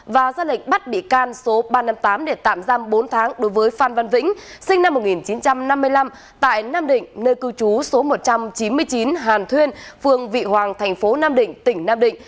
và ra lệnh bắt bị can số ba trăm năm mươi tám để tạm giam bốn tháng đối với phan văn vĩnh sinh năm một nghìn chín trăm năm mươi năm tại nam định nơi cư trú số một trăm chín mươi chín hàn thuyên phường vị hoàng thành phố nam định tỉnh nam định